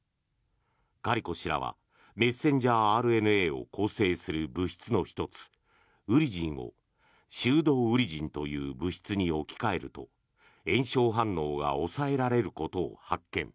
カリコ氏らはメッセンジャーＲＮＡを構成する物質の１つウリジンをシュードウリジンという物質に置き換えると炎症反応が抑えらえることを発見。